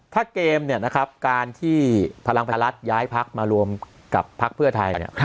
ถ้าเกมเนี่ยนะครับการที่พลังภาษารัฐย้ายภักดิ์มารวมกับภักดิ์เพื่อไทยเนี่ย